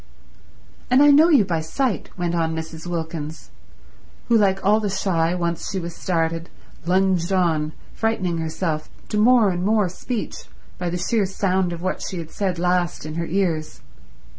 "And I know you by sight," went on Mrs. Wilkins, who, like all the shy, once she was started; lunged on, frightening herself to more and more speech by the sheer sound of what she had said last in her ears.